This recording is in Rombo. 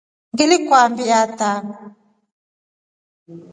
Ngilikukabia hataa.